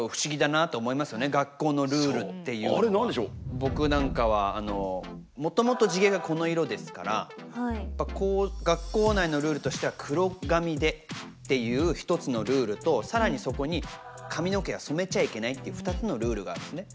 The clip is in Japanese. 僕なんかはもともと地毛がこの色ですから学校内のルールとしては黒髪でっていう１つのルールと更にそこに髪の毛は染めちゃいけないっていう２つのルールがあるんですね。